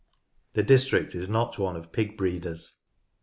The district is not one of pig breeders.